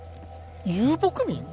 遊牧民？